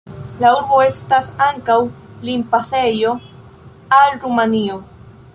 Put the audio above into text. La urbo estas ankaŭ limpasejo al Rumanio.